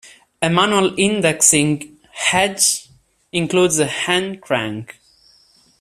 A manual indexing head includes a hand crank.